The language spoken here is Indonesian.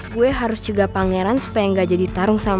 gue harus cegah pangeran supaya nggak jadi tarung sama